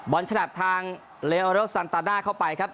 บ้อนชะแหลบทางเรอรสันตาด้าเข้าไปครับ